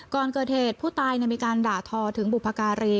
ก่อนเกิดเหตุผู้ตายมีการด่าทอถึงบุพการี